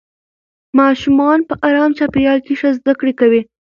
ماشومان په ارام چاپېریال کې ښه زده کړه کوي